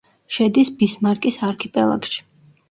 შედის ბისმარკის არქიპელაგში.